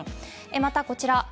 また、こちら。